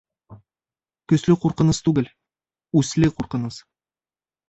Көслө ҡурҡыныс түгел, үсле ҡурҡыныс.